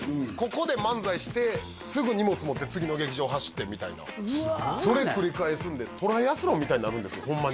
ここで漫才してすぐ荷物持って次の劇場走ってみたいなすごいねそれを繰り返すんでトライアスロンみたいになるんですホンマ